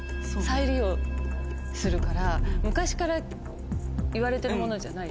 昔から言われてるものじゃない。